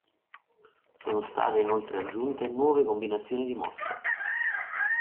Sono state inoltre aggiunte nuove combinazioni di mosse.